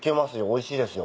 おいしいですよ。